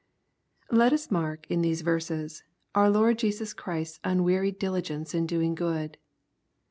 Let us mark, in these verses, our Lord Jesus Ohrisfs unwearied diligence in doing good.